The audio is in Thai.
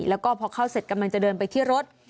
แล้วก็พอเข้าเสร็จกำลังจะเดินไปที่รถ